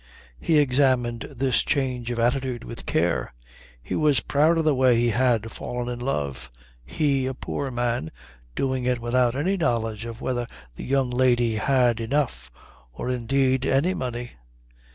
He examined this change of attitude with care. He was proud of the way he had fallen in love; he, a poor man, doing it without any knowledge of whether the young lady had enough or indeed any money.